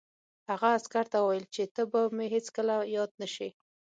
هغه عسکر ته وویل چې ته به مې هېڅکله یاد نه شې